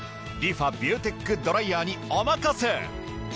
リファビューテックドライヤーにお任せ！